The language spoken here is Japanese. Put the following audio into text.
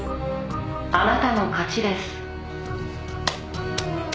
「あなたの勝ちです」